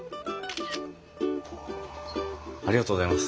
ありがとうございます。